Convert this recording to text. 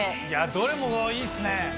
どれもいいっすね。